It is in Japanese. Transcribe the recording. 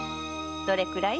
どれくらい？